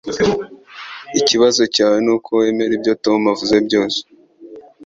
Ikibazo cyawe nuko wemera ibyo Tom avuga byose